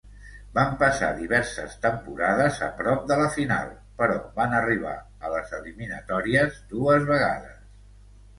Van passar diverses temporades a prop de la final, però van arribar a les eliminatòries dues vegades.